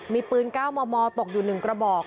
มีปืนก้าวโมตกอยู่หนึ่งกระบอก